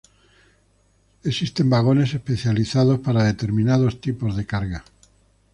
Existen vagones especializados para determinados tipos de carga.